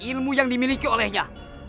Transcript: ilmu yang dimiliki olehnya